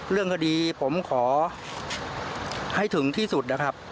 เรื่องคดีผมขอให้ถึงที่สุดนะครับ